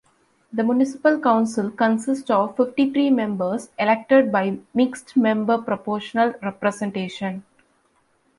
The municipal council consists of fifty-three members elected by mixed-member proportional representation.